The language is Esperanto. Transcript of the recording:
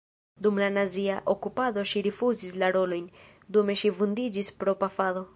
Dum la nazia okupado ŝi rifuzis la rolojn, dume ŝi vundiĝis pro pafado.